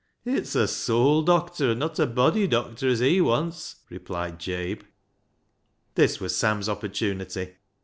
"" It's a soul doctor an' not a body doctor as he wants," replied Jabe. This was Sam's opportunity.